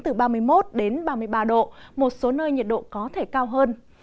từ ba mươi một đến ba mươi ba độ một số nơi nhiệt độ có thể cao hơn